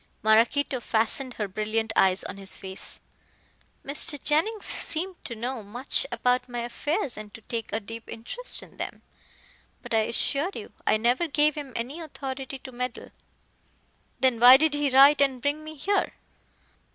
Maraquito fastened her brilliant eyes on his face. "Mr. Jennings seems to know much about my affairs and to take a deep interest in them. But I assure you, I never gave him any authority to meddle." "Then why did he write and bring me here?"